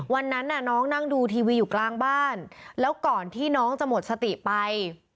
วันนั้นน่ะน้องนั่งดูทีวีอยู่กลางบ้านแล้วก่อนที่น้องจะหมดสติไป